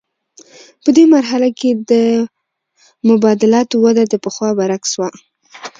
په دې مرحله کې د مبادلاتو وده د پخوا برعکس وه